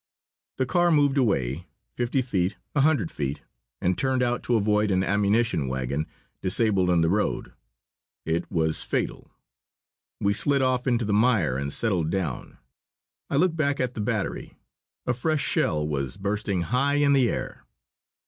The car moved away, fifty feet, a hundred feet, and turned out to avoid an ammunition wagon, disabled in the road. It was fatal. We slid off into the mire and settled down. I looked back at the battery. A fresh shell was bursting high in the air.